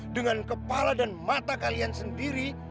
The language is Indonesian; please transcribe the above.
dengan kepala dan mata kalian sendiri